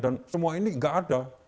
dan semua ini enggak ada